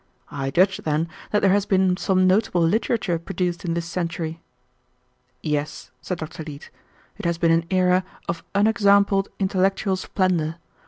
"I judge, then, that there has been some notable literature produced in this century." "Yes," said Dr. Leete. "It has been an era of unexampled intellectual splendor.